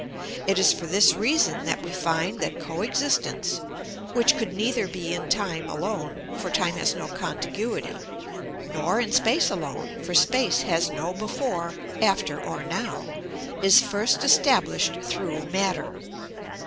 It is for this reason that we find that co existence, which could neither be in time alone, for time has no contiguity, nor in space alone, for space has no before, after, or now, is first established through matter.